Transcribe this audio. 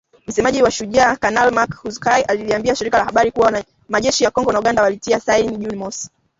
Msemaji wa Shujaa, Kanali Mak Hazukay aliliambia shirika la habari kuwa majeshi ya Kongo na Uganda walitia saini Juni mosi.